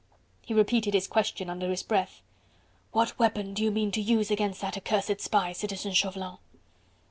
He repeated his question under his breath: "What weapon do you mean to use against that accursed spy, Citizen Chauvelin?"